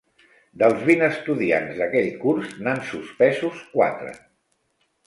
Dels vint estudiants d'aquell curs n'han suspesos quatre.